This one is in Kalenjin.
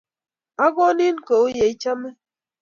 akonin ko ye ichame.